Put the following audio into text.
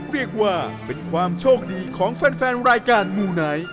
เรียกว่าเป็นความโชคดีของแฟนรายการมูไนท์